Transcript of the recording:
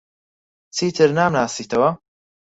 چیتر نامناسیتەوە؟